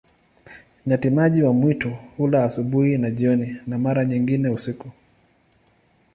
Nyati-maji wa mwitu hula asubuhi na jioni, na mara nyingine usiku.